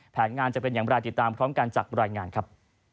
แผนงานจะเป็นอย่างไรติดตามพร้อมกันจากรายงานครับ